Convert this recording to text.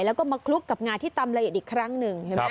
แล้วก็มาคลุกกับงาที่ตำละเอียดอีกครั้งหนึ่งเห็นไหม